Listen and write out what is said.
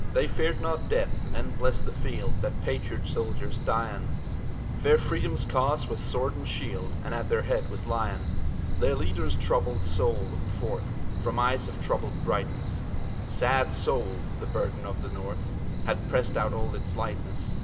They feared not death men bless the field That patriot soldiers die on; Fair Freedom's cause was sword and shield, And at their head was Lyon. Their leader's troubled soul looked forth From eyes of troubled brightness; Sad soul! the burden of the North Had pressed out all its lightness.